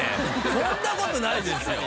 そんな事ないですよ！